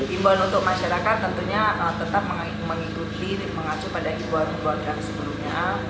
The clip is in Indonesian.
imbauan untuk masyarakat tentunya tetap mengikuti mengacu pada himbauan himbawan yang sebelumnya